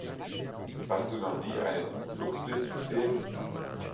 Hast du noch nie einen Umzugslift gesehen?